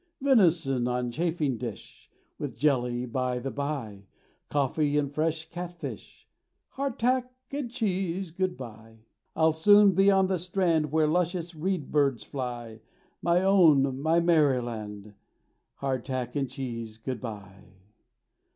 Venison on chafing dish, With jelly, by the bye, Coffee and fresh cat fish; Hard tack and cheese, good bye! I'll soon be on the strand Where luscious reed birds fly; My own—my Maryland— Hard tack and cheese, good bye!